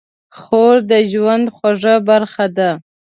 خور د ژوند خوږه برخه ده.